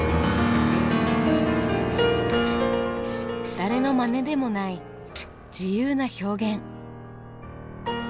誰の真似でもない自由な表現。